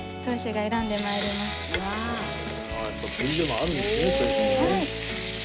はい。